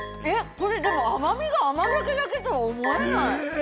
これ、でも、甘みが甘酒だけとは思えない。